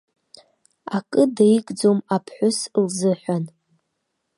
Акы деигӡом аԥҳәыс лзыҳәан.